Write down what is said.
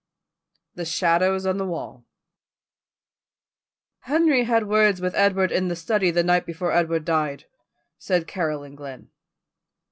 THE SHADOWS ON THE WALL "Henry had words with Edward in the study the night before Edward died," said Caroline Glynn.